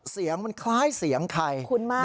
เสียงมันคล้ายเสียงใคร